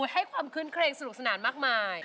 ให้ความขึ้นเครงสนุกสนานมากมาย